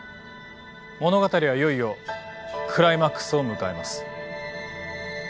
物語はいよいよクライマックスを迎えます。